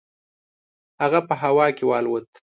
هغه په هوا کې والوت.